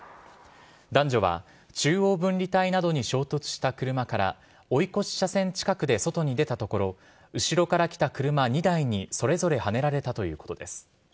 男女は中央分離帯などに衝突した車から、追い越し車線近くで外に出たところ、後ろから来た車２台にそれぞれはねられたということです。